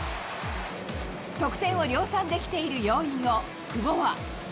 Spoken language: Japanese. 得点を量産できている要因を、久保は。